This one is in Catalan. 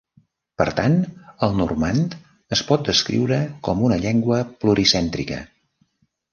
Per tant, el normand es pot descriure com una llengua pluricèntrica.